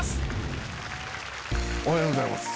おはようございます。